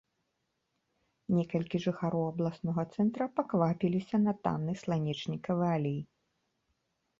Некалькі жыхароў абласнога цэнтра паквапіліся на танны сланечнікавы алей.